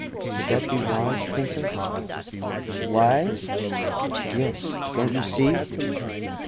"Would that be wise, Princess?" "Wise?" "Yes. Don't you see?"